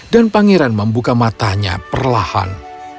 dan pangeran membuka matanya perlahan